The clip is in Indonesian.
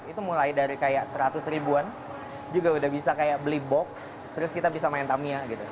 itu mulai dari kayak seratus ribuan juga udah bisa kayak beli box terus kita bisa main tamiya gitu